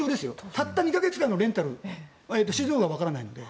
たった２か月間のレンタルシーズンオフは分からないので。